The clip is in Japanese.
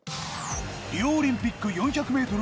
リオオリンピック４００メートル